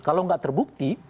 kalau enggak terbukti